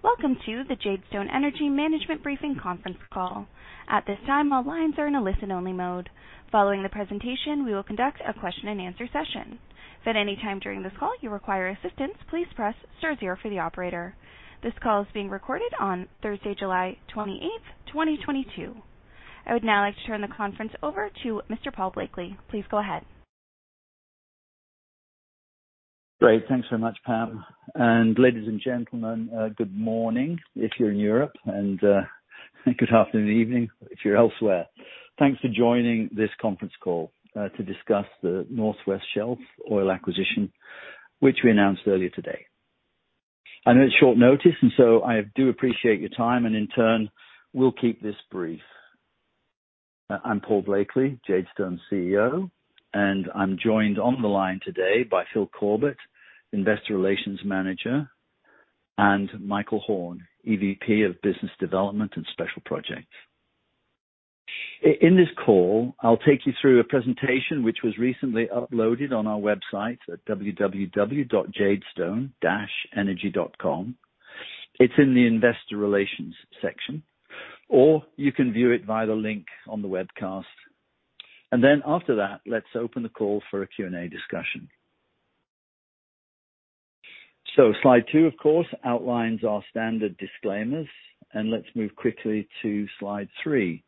Welcome to the Jadestone Energy Management Briefing conference call. At this time, all lines are in a listen only mode. Following the presentation, we will conduct a question and answer session. If at any time during this call you require assistance, please press star zero for the operator. This call is being recorded on Thursday, July twenty-eighth, twenty twenty-two. I would now like to turn the conference over to Mr. Paul Blakeley. Please go ahead. Great. Thanks very much, Pam. Ladies and gentlemen, good morning, if you're in Europe, and good afternoon, evening, if you're elsewhere. Thanks for joining this conference call to discuss the North West Shelf oil acquisition, which we announced earlier today. I know it's short notice, and so I do appreciate your time and in turn, we'll keep this brief. I'm Paul Blakeley, Jadestone CEO, and I'm joined on the line today by Phil Corbett, Investor Relations Manager, and Michael Horn, EVP of Business Development and Special Projects. In this call, I'll take you through a presentation which was recently uploaded on our website at www.jadestone-energy.com. It's in the investor relations section, or you can view it via the link on the webcast. Then after that, let's open the call for a Q&A discussion. Slide two, of course, outlines our standard disclaimers. Let's move quickly to slide 3,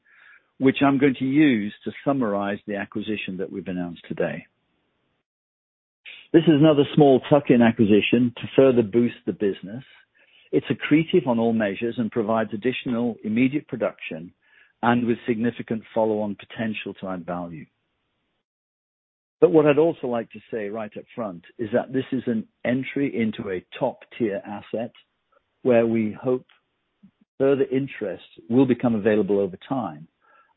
which I'm going to use to summarize the acquisition that we've announced today. This is another small tuck-in acquisition to further boost the business. It's accretive on all measures and provides additional immediate production and with significant follow-on potential to add value. What I'd also like to say right up front is that this is an entry into a top-tier asset where we hope further interest will become available over time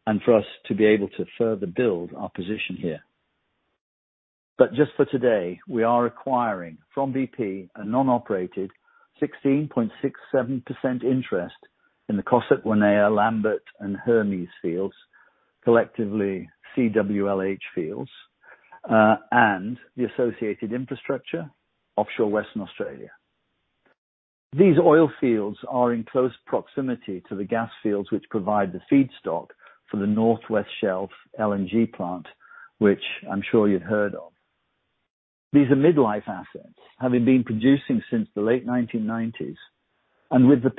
and for us to be able to further build our position here. Just for today, we are acquiring from BP a non-operated 16.67% interest in the Cossack, Wanaea, Lambert-Hermes fields, collectively CWLH fields, and the associated infrastructure offshore Western Australia. These oil fields are in close proximity to the gas fields which provide the feedstock for the North West Shelf LNG plant, which I'm sure you'd heard of. These are mid-life assets, having been producing since the late 1990s and with the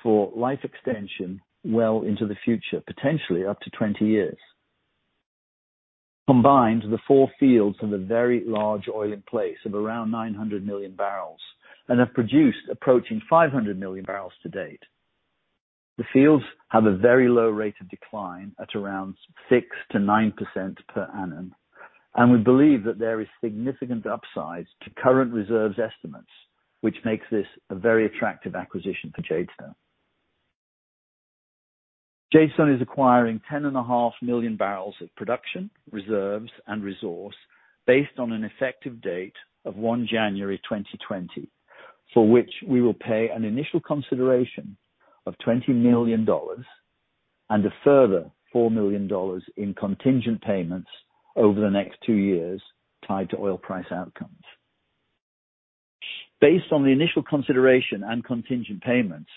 potential for life extension well into the future, potentially up to 20 years. Combined, the four fields have a very large oil in place of around 900 million barrels and have produced approaching 500 million barrels to date. The fields have a very low rate of decline at around 6%-9% per annum, and we believe that there is significant upside to current reserves estimates, which makes this a very attractive acquisition for Jadestone Energy. Jadestone is acquiring 10.5 million barrels of production, reserves, and resource based on an effective date of 1 January 2020, for which we will pay an initial consideration of $20 million and a further $4 million in contingent payments over the next 2 years tied to oil price outcomes. Based on the initial consideration and contingent payments,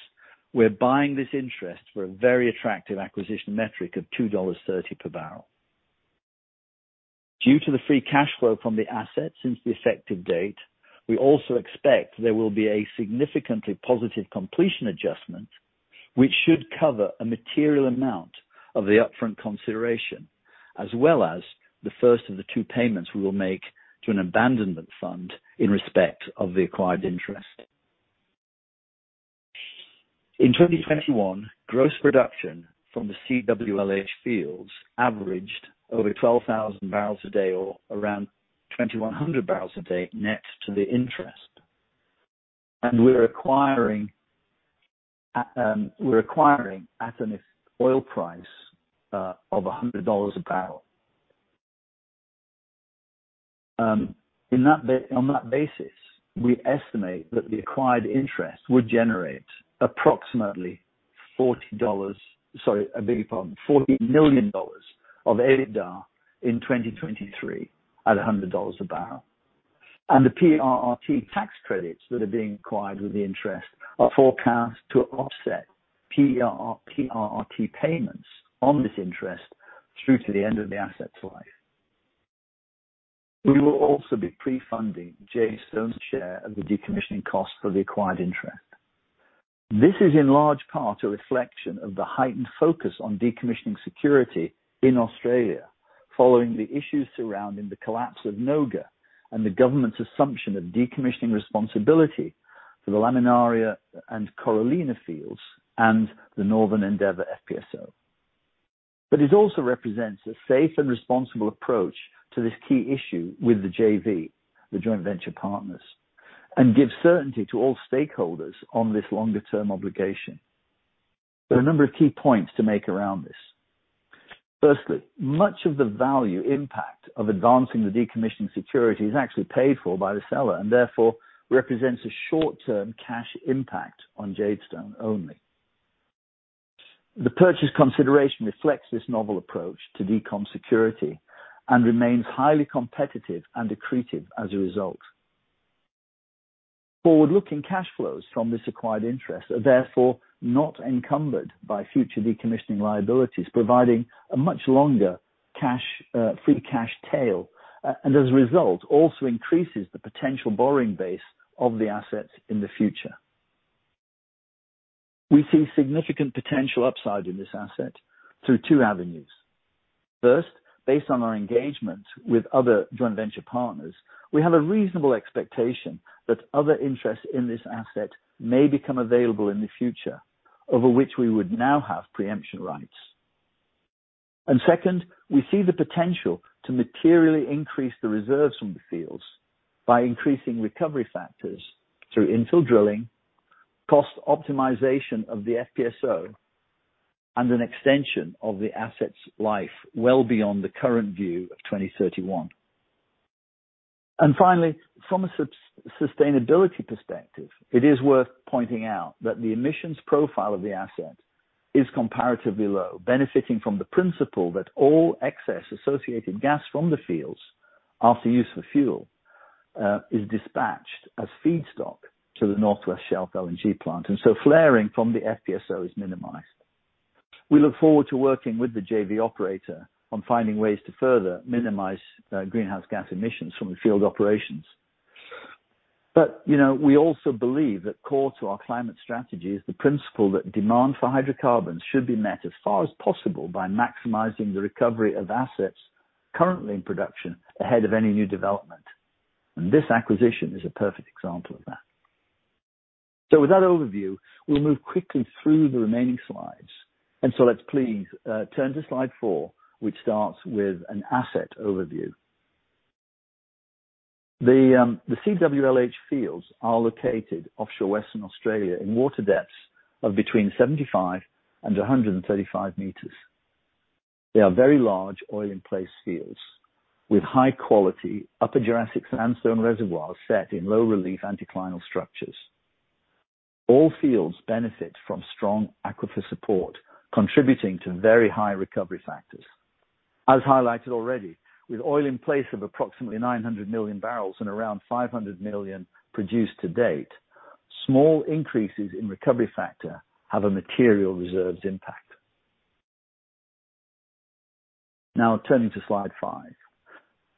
we're buying this interest for a very attractive acquisition metric of $2.30 per barrel. Due to the free cash flow from the asset since the effective date, we also expect there will be a significantly positive completion adjustment, which should cover a material amount of the upfront consideration, as well as the first of the 2 payments we will make to an abandonment fund in respect of the acquired interest. In 2021, gross production from the CWLH fields averaged over 12,000 barrels a day or around 2,100 barrels a day net to the interest. We're acquiring at an oil price of $100 a barrel. On that basis, we estimate that the acquired interest would generate approximately forty dollars. Sorry, I beg your pardon. Forty million dollars of EBITDA in 2023 at $100 a barrel. The PRRT tax credits that are being acquired with the interest are forecast to offset PRRT payments on this interest through to the end of the assets life. We will also be pre-funding Jadestone's share of the decommissioning cost for the acquired interest. This is in large part a reflection of the heightened focus on decommissioning security in Australia following the issues surrounding the collapse of NOGA and the government's assumption of decommissioning responsibility for the Laminaria and Corallina fields and the Northern Endeavour FPSO. It also represents a safe and responsible approach to this key issue with the JV, the joint venture partners, and gives certainty to all stakeholders on this longer-term obligation. There are a number of key points to make around this. Firstly, much of the value impact of advancing the decommissioning security is actually paid for by the seller and therefore represents a short-term cash impact on Jadestone only. The purchase consideration reflects this novel approach to decom security and remains highly competitive and accretive as a result. Forward-looking cash flows from this acquired interest are therefore not encumbered by future decommissioning liabilities, providing a much longer cash, free cash tail, and as a result, also increases the potential borrowing base of the assets in the future. We see significant potential upside in this asset through two avenues. First, based on our engagement with other joint venture partners, we have a reasonable expectation that other interests in this asset may become available in the future, over which we would now have preemption rights. Second, we see the potential to materially increase the reserves from the fields by increasing recovery factors through infill drilling, cost optimization of the FPSO, and an extension of the asset's life well beyond the current view of 2031. Finally, from a sustainability perspective, it is worth pointing out that the emissions profile of the asset is comparatively low, benefiting from the principle that all excess associated gas from the fields after use for fuel is dispatched as feedstock to the North West Shelf LNG plant, and so flaring from the FPSO is minimized. We look forward to working with the JV operator on finding ways to further minimize greenhouse gas emissions from the field operations. You know, we also believe that core to our climate strategy is the principle that demand for hydrocarbons should be met as far as possible by maximizing the recovery of assets currently in production ahead of any new development. This acquisition is a perfect example of that. With that overview, we'll move quickly through the remaining slides. Let's please turn to slide four, which starts with an asset overview. The CWLH fields are located offshore Western Australia in water depths of between 75 and 135 meters. They are very large oil in place fields with high quality upper Jurassic sandstone reservoirs set in low relief anticlinal structures. All fields benefit from strong aquifer support, contributing to very high recovery factors. As highlighted already, with oil in place of approximately 900 million barrels and around 500 million produced to date, small increases in recovery factor have a material reserves impact. Now turning to slide five.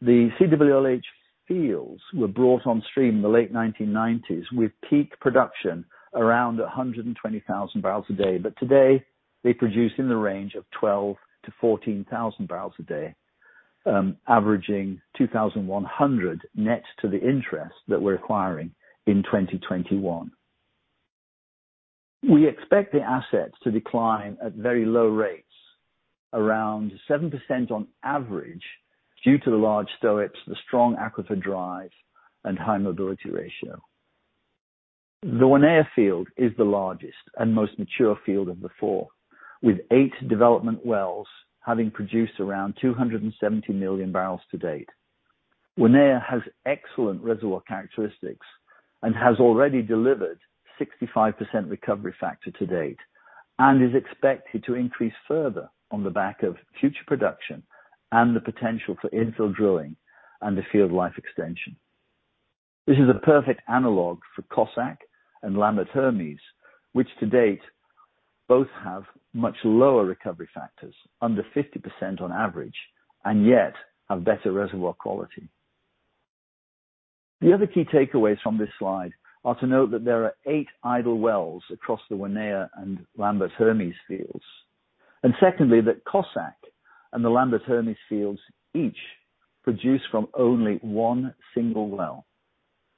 The CWLH fields were brought on stream in the late 1990s with peak production around 120,000 barrels a day. Today, they produce in the range of 12,000-14,000 barrels a day, averaging 2,100 net to the interest that we're acquiring in 2021. We expect the assets to decline at very low rates, around 7% on average, due to the large stock, the strong aquifer drive, and high mobility ratio. The Wanaea field is the largest and most mature field of the four, with eight development wells having produced around 270 million barrels to date. Wanaea has excellent reservoir characteristics and has already delivered 65% recovery factor to date and is expected to increase further on the back of future production and the potential for infill drilling and the field life extension. This is a perfect analog for Cossack and Lambert and Hermes, which to date both have much lower recovery factors, under 50% on average, and yet have better reservoir quality. The other key takeaways from this slide are to note that there are 8 idle wells across the Wanaea and Lambert and Hermes fields. Secondly, that Cossack and the Lambert and Hermes fields each produce from only one single well.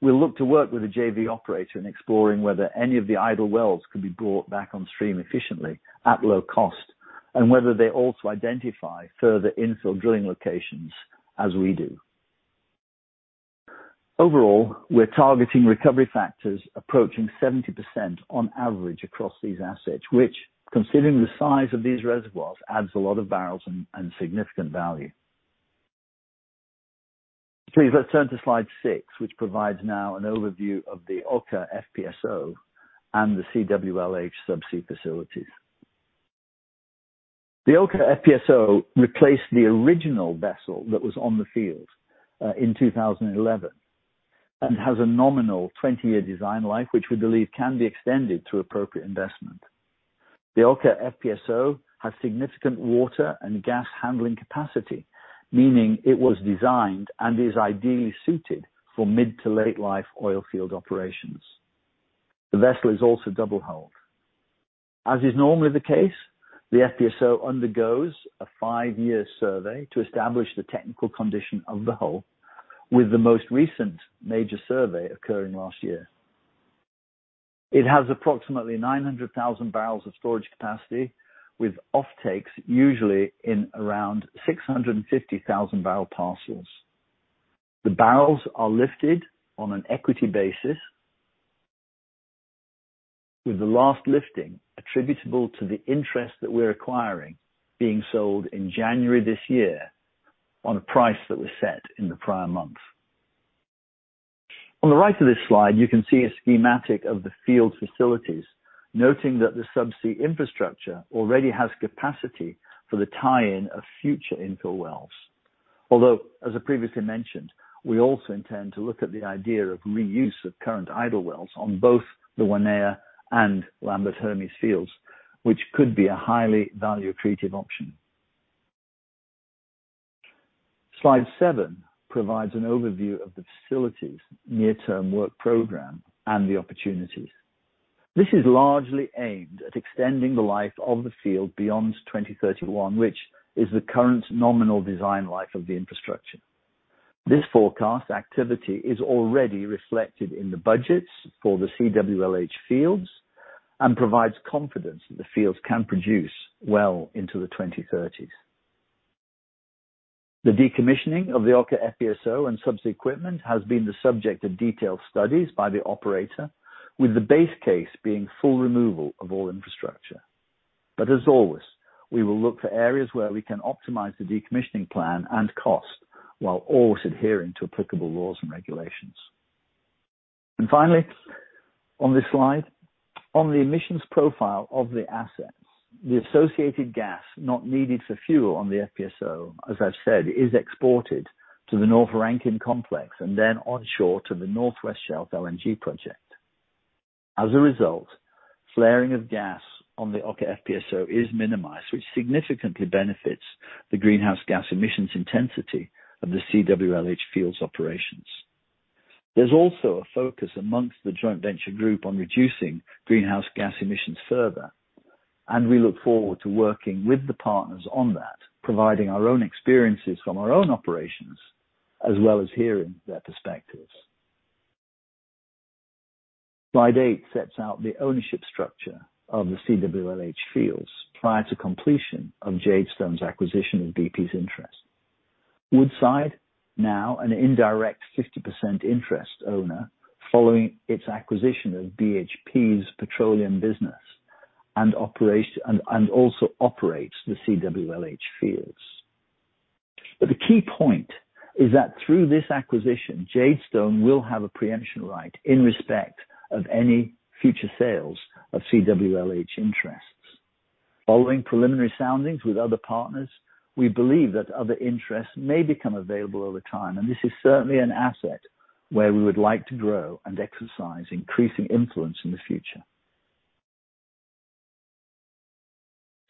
We look to work with a JV operator in exploring whether any of the idle wells could be brought back on stream efficiently at low cost, and whether they also identify further infill drilling locations as we do. Overall, we're targeting recovery factors approaching 70% on average across these assets, which, considering the size of these reservoirs, adds a lot of barrels and significant value. Please let's turn to slide 6, which provides now an overview of the Okha FPSO and the CWLH subsea facilities. The Okha FPSO replaced the original vessel that was on the field in 2011, and has a nominal 20-year design life which we believe can be extended through appropriate investment. The Okha FPSO has significant water and gas handling capacity, meaning it was designed and is ideally suited for mid to late life oil field operations. The vessel is also double hulled. As is normally the case, the FPSO undergoes a 5-year survey to establish the technical condition of the hull with the most recent major survey occurring last year. It has approximately 900,000 barrels of storage capacity with offtakes usually in around 650,000 barrel parcels. The barrels are lifted on an equity basis with the last lifting attributable to the interest that we're acquiring being sold in January this year on a price that was set in the prior month. On the right of this slide, you can see a schematic of the field facilities, noting that the subsea infrastructure already has capacity for the tie-in of future infill wells. Although, as I previously mentioned, we also intend to look at the idea of reuse of current idle wells on both the Wanaea and Lambert and Hermes fields, which could be a highly value-creative option. Slide 7 provides an overview of the facilities near-term work program and the opportunities. This is largely aimed at extending the life of the field beyond 2031, which is the current nominal design life of the infrastructure. This forecast activity is already reflected in the budgets for the CWLH fields and provides confidence that the fields can produce well into the 2030s. The decommissioning of the Okha FPSO and subsea equipment has been the subject of detailed studies by the operator, with the base case being full removal of all infrastructure. As always, we will look for areas where we can optimize the decommissioning plan and cost while always adhering to applicable laws and regulations. Finally, on this slide, on the emissions profile of the assets, the associated gas not needed for fuel on the FPSO, as I've said, is exported to the North Rankin complex and then onshore to the North West Shelf LNG project. As a result, flaring of gas on the Okha FPSO is minimized, which significantly benefits the greenhouse gas emissions intensity of the CWLH fields operations. There's also a focus among the joint venture group on reducing greenhouse gas emissions further, and we look forward to working with the partners on that, providing our own experiences from our own operations as well as hearing their perspectives. Slide 8 sets out the ownership structure of the CWLH fields prior to completion of Jadestone's acquisition of BP's interest. Woodside, now an indirect 50% interest owner following its acquisition of BHP's petroleum business and also operates the CWLH fields. The key point is that through this acquisition, Jadestone will have a preemption right in respect of any future sales of CWLH interests. Following preliminary soundings with other partners, we believe that other interests may become available over time, and this is certainly an asset where we would like to grow and exercise increasing influence in the future.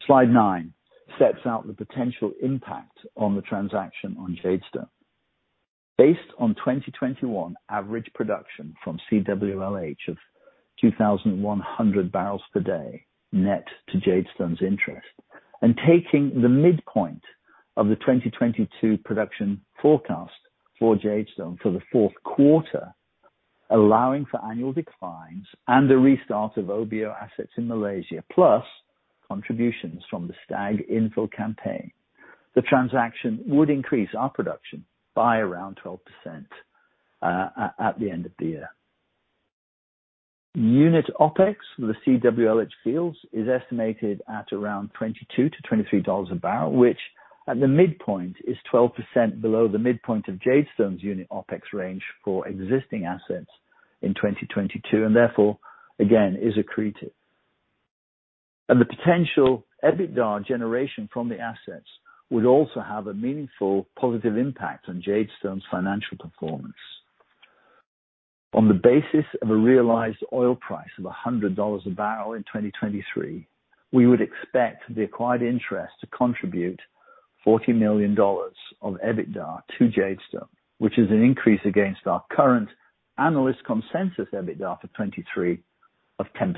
Slide nine sets out the potential impact of the transaction on Jadestone. Based on 2021 average production from CWLH of 2,100 barrels per day, net to Jadestone's interest. Taking the midpoint of the 2022 production forecast for Jadestone for the fourth quarter, allowing for annual declines and the restart of uncertain in Malaysia, plus contributions from the STAG infill campaign, the transaction would increase our production by around 12% at the end of the year. Unit OpEx for the CWLH fields is estimated at around $22-$23 a barrel, which at the midpoint is 12% below the midpoint of Jadestone's unit OpEx range for existing assets in 2022, and therefore, again, is accretive. The potential EBITDA generation from the assets would also have a meaningful positive impact on Jadestone's financial performance. On the basis of a realized oil price of $100 a barrel in 2023, we would expect the acquired interest to contribute $40 million of EBITDA to Jadestone, which is an increase against our current analyst consensus EBITDA for 2023 of 10%.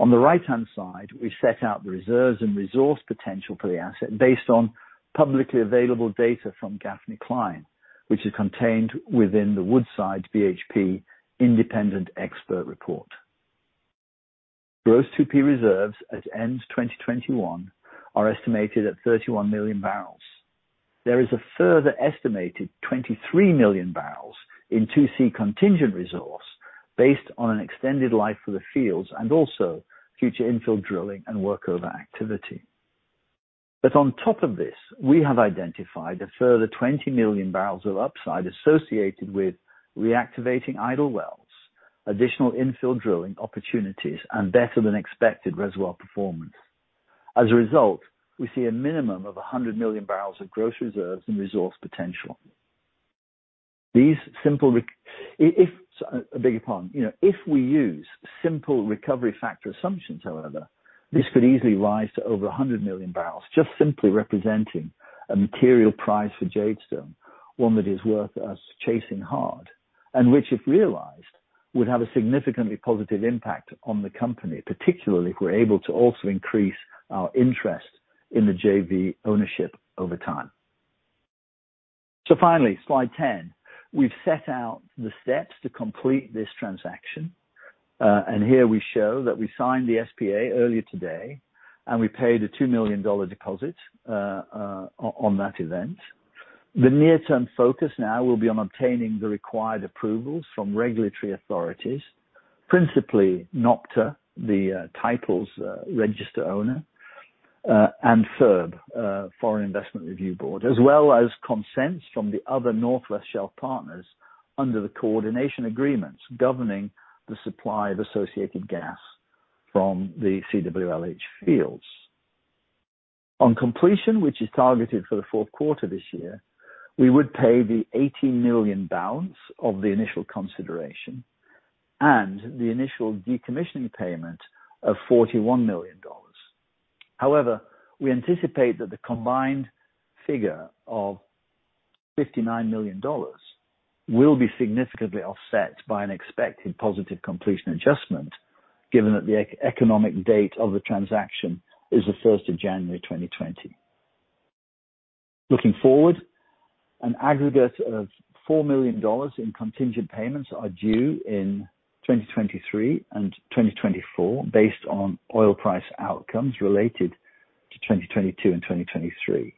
On the right-hand side, we set out the reserves and resource potential for the asset based on publicly available data from Gaffney, Cline & Associates, which is contained within the Woodside BHP independent expert report. Gross 2P reserves at end 2021 are estimated at 31 million barrels. There is a further estimated 23 million barrels in 2C contingent resource based on an extended life for the fields and also future infill drilling and workover activity. On top of this, we have identified a further 20 million barrels of upside associated with reactivating idle wells, additional infill drilling opportunities, and better than expected reservoir performance. As a result, we see a minimum of 100 million barrels of gross reserves and resource potential. You know, if we use simple recovery factor assumptions, however, this could easily rise to over 100 million barrels just simply representing a material prize for Jadestone, one that is worth us chasing hard and which, if realized, would have a significantly positive impact on the company, particularly if we're able to also increase our interest in the JV ownership over time. Finally, slide 10. We've set out the steps to complete this transaction. Here we show that we signed the SPA earlier today, and we paid a $2 million deposit on that event. The near-term focus now will be on obtaining the required approvals from regulatory authorities, principally NOPTA, the titles registrar, FIRB, Foreign Investment Review Board, as well as consents from the other North West Shelf partners under the coordination agreements governing the supply of associated gas from the CWLH fields. On completion, which is targeted for the fourth quarter this year, we would pay the $80 million of the initial consideration and the initial decommissioning payment of $41 million. However, we anticipate that the combined figure of $59 million will be significantly offset by an expected positive completion adjustment, given that the economic date of the transaction is the first of January 2020. Looking forward, an aggregate of $4 million in contingent payments are due in 2023 and 2024 based on oil price outcomes related to 2022 and 2023.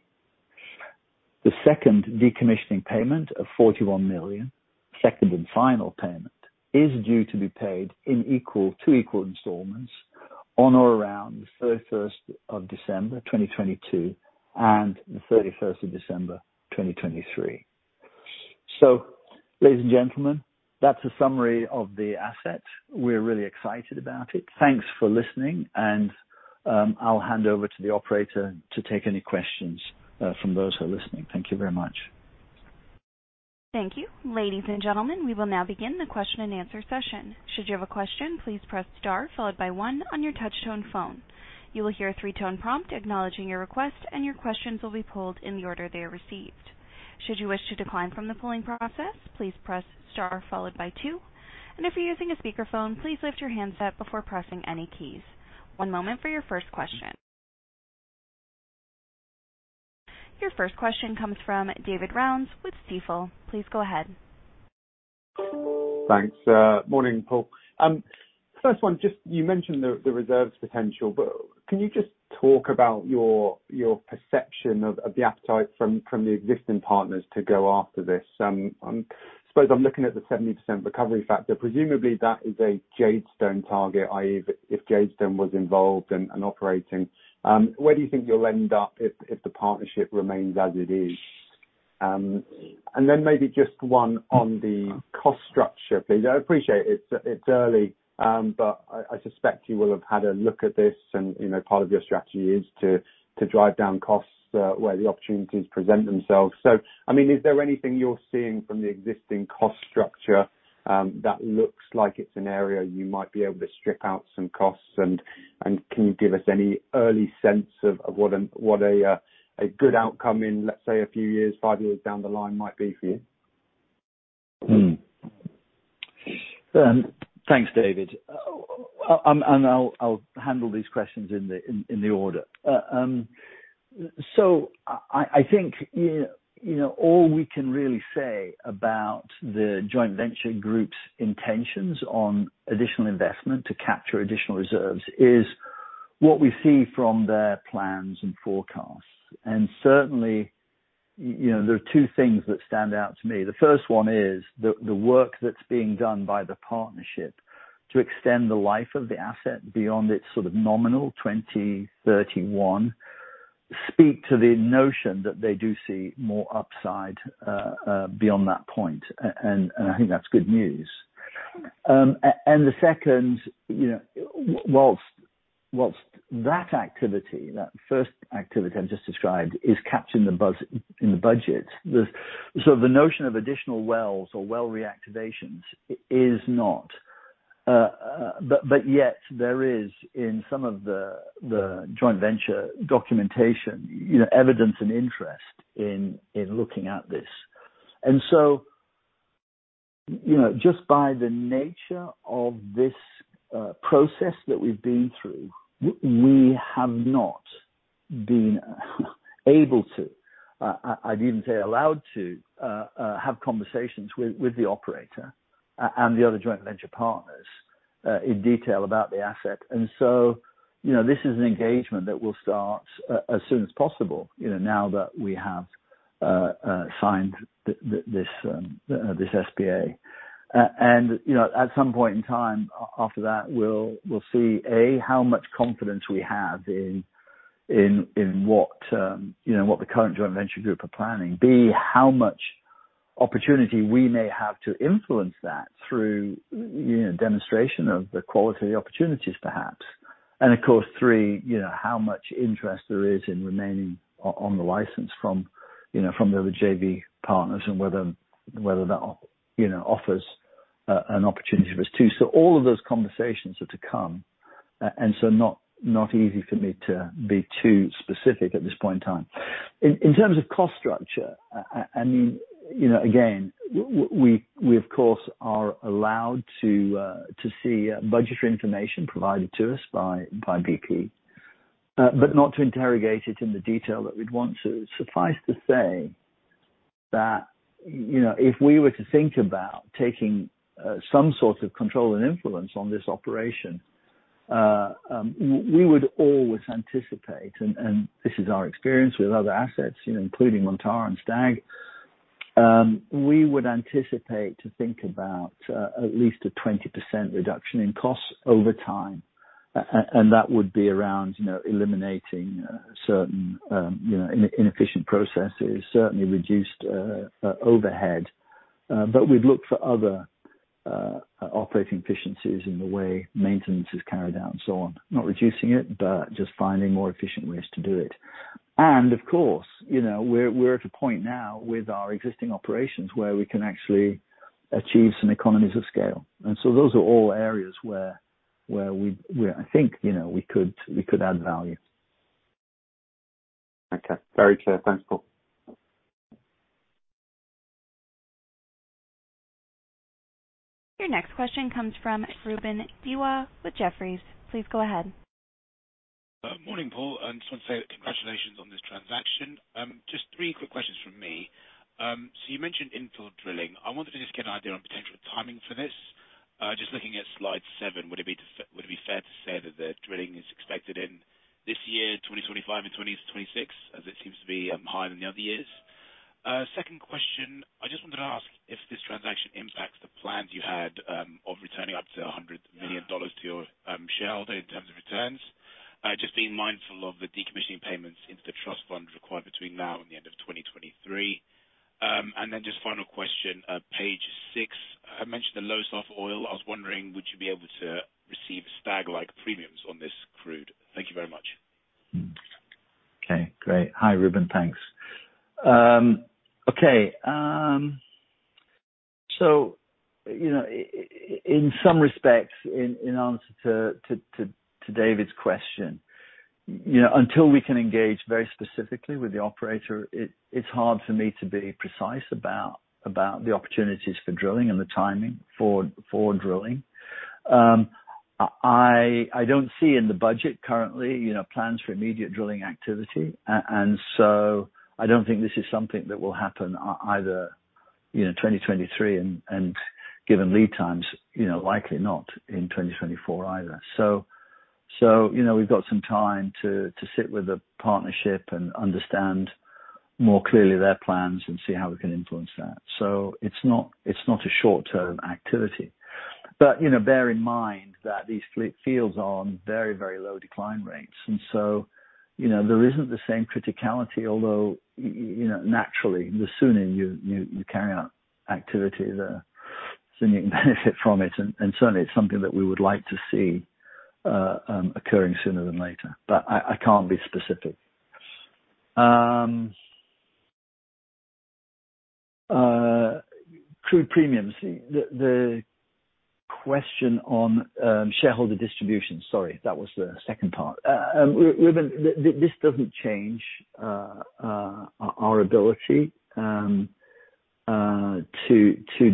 The second decommissioning payment of $41 million, second and final payment, is due to be paid in two equal installments on or around the 31st of December 2022 and the 31st of December 2023. Ladies and gentlemen, that's a summary of the asset. We're really excited about it. Thanks for listening, and, I'll hand over to the operator to take any questions from those who are listening. Thank you very much. Thank you. Ladies and gentlemen, we will now begin the question-and-answer session. Should you have a question, please press star followed by one on your touch-tone phone. You will hear a three-tone prompt acknowledging your request, and your questions will be pulled in the order they are received. Should you wish to decline from the pulling process, please press star followed by two. If you're using a speakerphone, please lift your handset before pressing any keys. One moment for your first question. Your first question comes from David Round with Stifel. Please go ahead. Thanks. Morning, Paul. First one, just you mentioned the reserves potential, but can you just talk about your perception of the appetite from the existing partners to go after this? I suppose I'm looking at the 70% recovery factor. Presumably, that is a Jadestone target, i.e., if Jadestone was involved and operating. Where do you think you'll end up if the partnership remains as it is? And then maybe just one on the cost structure, please. I appreciate it's early, but I suspect you will have had a look at this and, you know, part of your strategy is to drive down costs where the opportunities present themselves. I mean, is there anything you're seeing from the existing cost structure that looks like it's an area you might be able to strip out some costs? Can you give us any early sense of what a good outcome in, let's say, a few years, five years down the line might be for you? Thanks, David. I'll handle these questions in the order. I think you know all we can really say about the joint venture group's intentions on additional investment to capture additional reserves is what we see from their plans and forecasts. Certainly, you know, there are two things that stand out to me. The first one is the work that's being done by the partnership to extend the life of the asset beyond its sort of nominal 2031, speak to the notion that they do see more upside beyond that point. I think that's good news. The second, you know, while that activity, that first activity I've just described is captured in the budget. The notion of additional wells or well reactivations is not. Yet there is, in some of the joint venture documentation, you know, evidence and interest in looking at this. You know, just by the nature of this process that we've been through, we have not been able to, I'd even say allowed to, have conversations with the operator and the other joint venture partners, in detail about the asset. You know, this is an engagement that will start as soon as possible, you know, now that we have signed this SPA. You know, at some point in time after that, we'll see how much confidence we have in what, you know, what the current joint venture group are planning. B, how much opportunity we may have to influence that through, you know, demonstration of the quality opportunities perhaps. Of course, three, you know, how much interest there is in remaining on the license from, you know, from the other JV partners and whether that you know, offers an opportunity for us too. All of those conversations are to come, and not easy for me to be too specific at this point in time. In terms of cost structure, I mean, you know, again, we of course are allowed to see budgetary information provided to us by BP, but not to interrogate it in the detail that we'd want to. Suffice to say that, you know, if we were to think about taking some sort of control and influence on this operation, we would always anticipate, and this is our experience with other assets, you know, including Montara and STAG, we would anticipate to think about at least a 20% reduction in costs over time. That would be around, you know, eliminating certain, you know, inefficient processes, certainly reduced overhead. But we'd look for other operating efficiencies in the way maintenance is carried out and so on. Not reducing it, but just finding more efficient ways to do it. Of course, you know, we're at a point now with our existing operations where we can actually achieve some economies of scale. Those are all areas where I think, you know, we could add value. Okay. Very clear. Thanks, Paul. Your next question comes from Ruben Dewa with Jefferies. Please go ahead. Morning, Paul. I just want to say congratulations on this transaction. Just three quick questions from me. You mentioned infill drilling. I wanted to just get an idea on potential timing for this. Just looking at slide seven, would it be fair to say that the drilling is expected in this year, 2025 and 2026, as it seems to be higher than the other years? Second question, I just wanted to ask if this transaction impacts the plans you had of returning up to $100 million to your shareholder in terms of returns? Just being mindful of the decommissioning payments into the trust fund required between now and the end of 2023. Final question, page six mentioned the low sulfur oil. I was wondering, would you be able to receive STAG-like premiums on this crude? Thank you very much. Okay, great. Hi, Ruben. Thanks. In some respects, in answer to David's question, you know, until we can engage very specifically with the operator, it's hard for me to be precise about the opportunities for drilling and the timing for drilling. I don't see in the budget currently, you know, plans for immediate drilling activity, and so I don't think this is something that will happen either, you know, 2023 and, given lead times, you know, likely not in 2024 either. We've got some time to sit with the partnership and understand more clearly their plans and see how we can influence that. It's not a short-term activity. You know, bear in mind that these fields are on very, very low decline rates. You know, there isn't the same criticality, although you know, naturally, the sooner you carry out activity there, then you can benefit from it. Certainly it's something that we would like to see occurring sooner than later. But I can't be specific. Crude premiums. The question on shareholder distribution. Sorry, that was the second part. Ruben, this doesn't change our ability to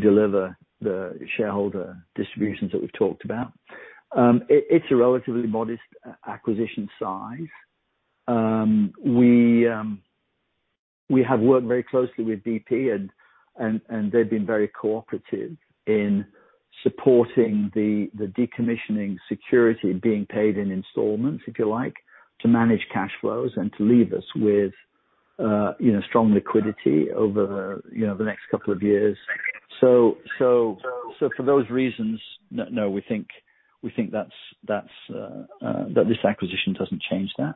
deliver the shareholder distributions that we've talked about. It's a relatively modest acquisition size. We have worked very closely with BP and they've been very cooperative in supporting the decommissioning security being paid in installments, if you like, to manage cash flows and to leave us with you know, strong liquidity over you know, the next couple of years. For those reasons, we think that's that this acquisition doesn't change that.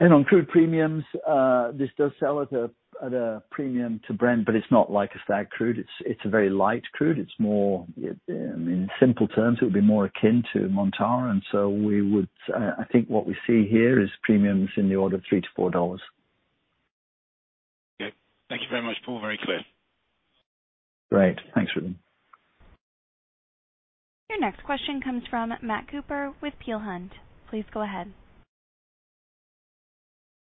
On crude premiums, this does sell at a premium to Brent, but it's not like a STAG crude. It's a very light crude. It's more, in simple terms, it would be more akin to Montara. I think what we see here is premiums in the order of $3-$4. Okay. Thank you very much, Paul. Very clear. Great. Thanks, Ruben. Your next question comes from Matt Cooper with Peel Hunt. Please go ahead.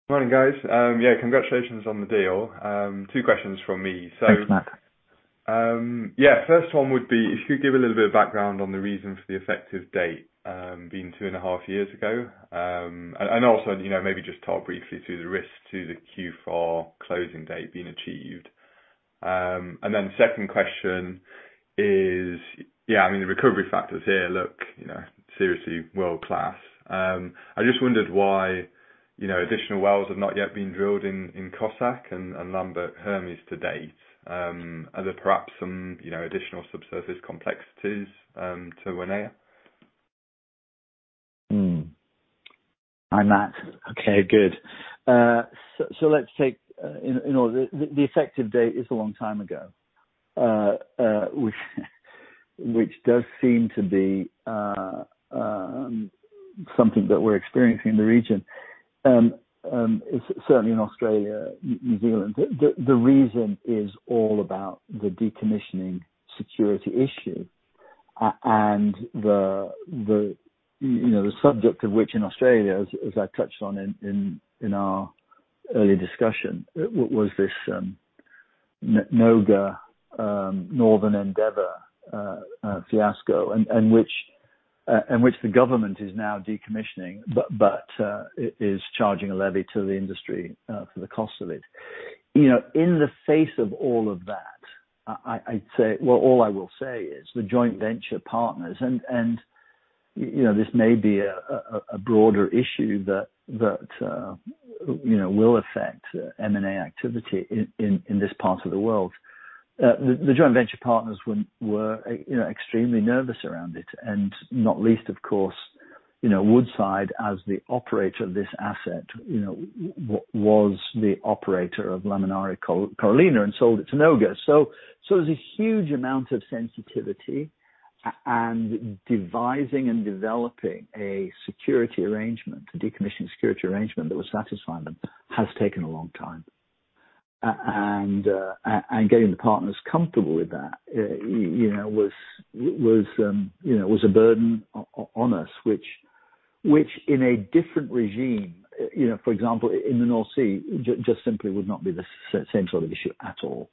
Morning, guys. Yeah, congratulations on the deal. Two questions from me. Thanks, Matt. Yeah, first one would be if you could give a little bit of background on the reason for the effective date being 2.5 years ago. Also, you know, maybe just talk briefly to the risk to the Q4 closing date being achieved. Second question is, yeah, I mean, the recovery factors here look, you know, seriously world-class. I just wondered why, you know, additional wells have not yet been drilled in Cossack and Lambert-Hermes to date. Are there perhaps some, you know, additional subsurface complexities to Wanaea? Hi, Matt. Okay, good. Let's take, you know, the effective date is a long time ago, which does seem to be something that we're experiencing in the region, certainly in Australia, New Zealand. The reason is all about the decommissioning security issue and the, you know, the subject of which in Australia, as I touched on in our earlier discussion, was this NOGA, Northern Endeavour fiasco, and which the government is now decommissioning, but is charging a levy to the industry for the cost of it. You know, in the face of all of that, I'd say... Well, all I will say is the joint venture partners. You know, this may be a broader issue that you know, will affect M&A activity in this part of the world. The joint venture partners were you know, extremely nervous around it. Not least, of course, you know, Woodside as the operator of this asset, you know, was the operator of Laminaria-Corallina and sold it to Noga. There's a huge amount of sensitivity and devising and developing a security arrangement, a decommissioning security arrangement that will satisfy them has taken a long time. Getting the partners comfortable with that, you know, was a burden on us, which in a different regime, you know, for example, in the North Sea, just simply would not be the same sort of issue at all.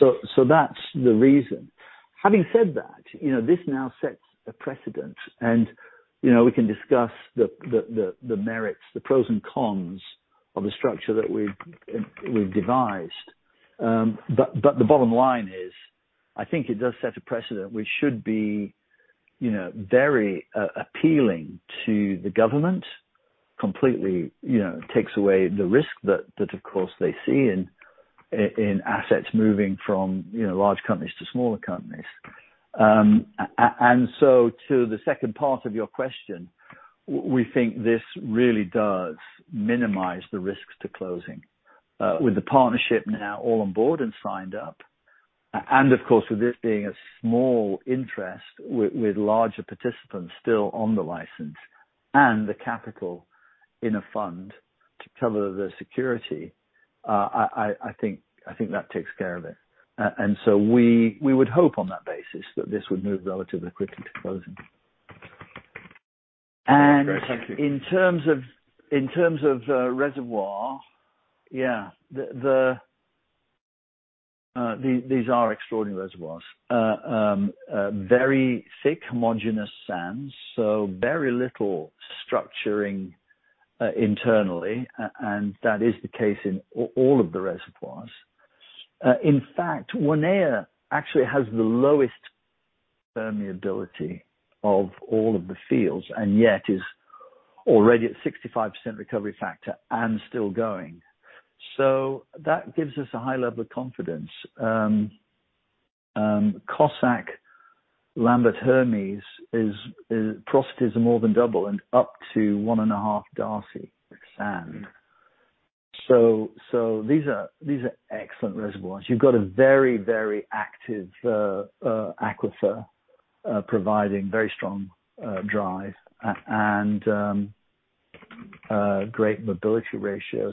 That's the reason. Having said that, you know, this now sets a precedent and, you know, we can discuss the merits, the pros and cons of the structure that we've devised. The bottom line is, I think it does set a precedent which should be, you know, very appealing to the government. Completely, you know, takes away the risk that of course they see in assets moving from, you know, large companies to smaller companies. To the second part of your question, we think this really does minimize the risks to closing. With the partnership now all on board and signed up, and of course, with this being a small interest with larger participants still on the license and the capital in a fund to cover the security, I think that takes care of it. We would hope on that basis that this would move relatively quickly to closing. Great. Thank you. In terms of reservoir. These are extraordinary reservoirs. Very thick, homogeneous sands, so very little structuring internally. That is the case in all of the reservoirs. In fact, Wanaea actually has the lowest permeability of all of the fields, and yet is already at 65% recovery factor and still going. That gives us a high level of confidence. Cossack, Lambert, Hermes porosities are more than double and up to 1.5 Darcy sand. These are excellent reservoirs. You've got a very active aquifer providing very strong drive and great mobility ratio.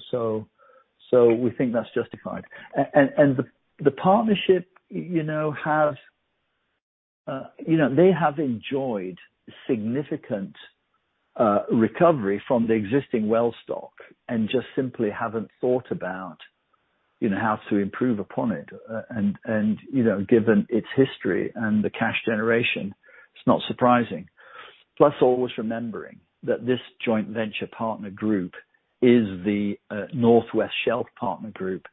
We think that's justified. The partnership, you know, they have enjoyed significant recovery from the existing well stock and just simply haven't thought about, you know, how to improve upon it. You know, given its history and the cash generation, it's not surprising. Plus, always remembering that this joint venture partner group is the North West Shelf partner group.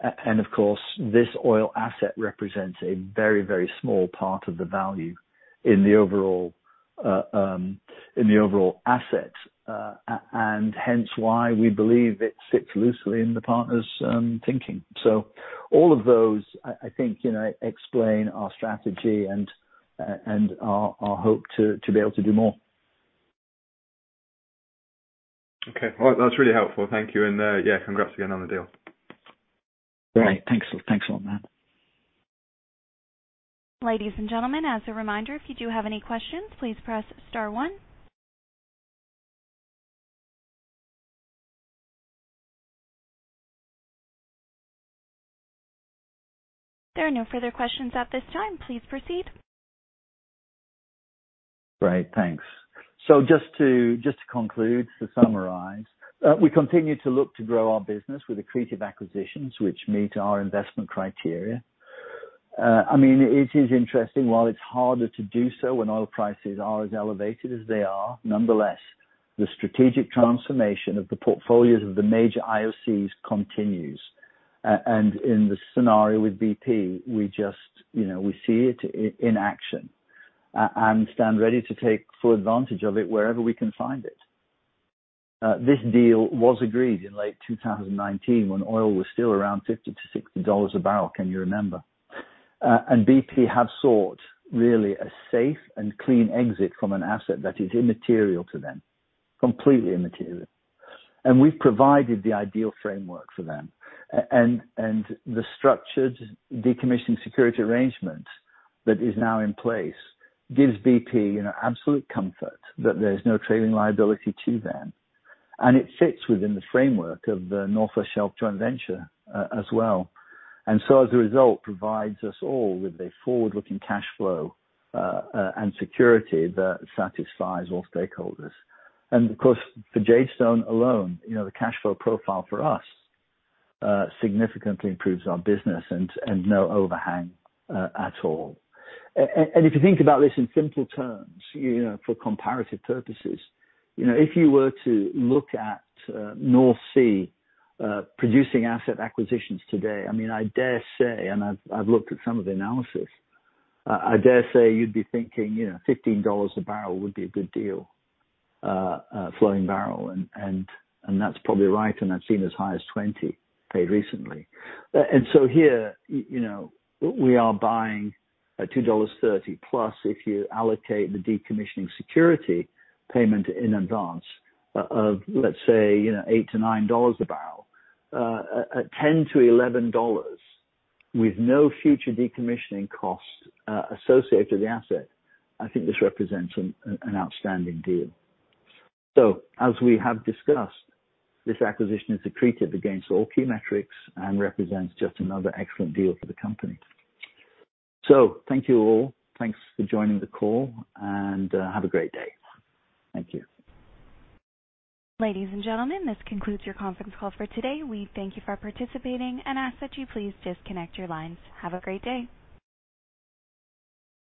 Of course, this oil asset represents a very, very small part of the value in the overall asset. Hence why we believe it sits loosely in the partner's thinking. All of those, I think, you know, explain our strategy and our hope to be able to do more. Okay. Well, that's really helpful. Thank you. Yeah, congrats again on the deal. Great. Thanks. Thanks a lot, Matt. Ladies and gentlemen, as a reminder, if you do have any questions, please press star one. There are no further questions at this time. Please proceed. Great. Thanks. To conclude, to summarize. We continue to look to grow our business with accretive acquisitions which meet our investment criteria. I mean, it is interesting, while it's harder to do so when oil prices are as elevated as they are, nonetheless, the strategic transformation of the portfolios of the major IOCs continues. In the scenario with BP, we just, you know, we see it in action and stand ready to take full advantage of it wherever we can find it. This deal was agreed in late 2019 when oil was still around $50-$60 a barrel. Can you remember? BP have sought really a safe and clean exit from an asset that is immaterial to them, completely immaterial. We've provided the ideal framework for them. The structured decommissioning security arrangement that is now in place gives BP, you know, absolute comfort that there's no trailing liability to them. It fits within the framework of the North West Shelf Joint Venture, as well. As a result, provides us all with a forward-looking cash flow, and security that satisfies all stakeholders. Of course, for Jadestone alone, you know, the cash flow profile for us, significantly improves our business and, no overhang, at all. If you think about this in simple terms, you know, for comparative purposes, you know, if you were to look at North Sea producing asset acquisitions today, I mean, I dare say, and I've looked at some of the analysis, I dare say you'd be thinking, you know, $15 a barrel would be a good deal, flowing barrel. That's probably right. I've seen as high as $20 paid recently. Here, you know, we are buying at $2.30 plus, if you allocate the decommissioning security payment in advance of, let's say, you know, $8-$9 a barrel, at $10-$11 with no future decommissioning costs associated to the asset. I think this represents an outstanding deal. As we have discussed, this acquisition is accretive against all key metrics and represents just another excellent deal for the company. Thank you all. Thanks for joining the call, and have a great day. Thank you. Ladies and gentlemen, this concludes your conference call for today. We thank you for participating and ask that you please disconnect your lines. Have a great day.